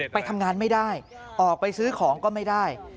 ไปทำงานไม่ได้ออกไปซื้อของก็ไม่ได้